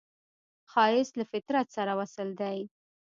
ښایست له فطرت سره وصل دی